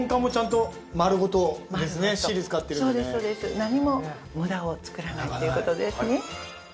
何も無駄を作らないっていうことですね